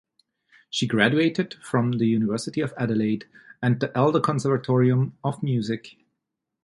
She graduated from the University of Adelaide and the Elder Conservatorium of Music.